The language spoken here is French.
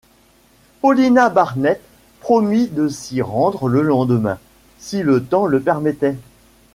Paulina Barnett promit de s’y rendre le lendemain, si le temps le permettait.